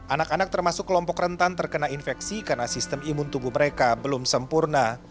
anak anak termasuk kelompok rentan terkena infeksi karena sistem imun tubuh mereka belum sempurna